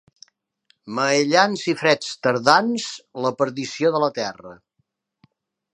Maellans i freds tardans: la perdició de la terra.